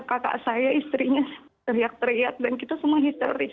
kakak saya istrinya teriak teriak dan kita semua historis